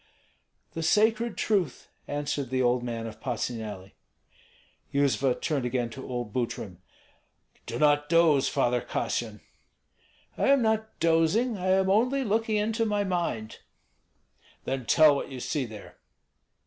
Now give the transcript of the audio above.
"The sacred truth," answered the old man of Patsuneli. Yuzva turned again to old Butrym. "Do not doze, Father Kassyan!" "I am not dozing, I am only looking into my mind." "Then tell what you see there."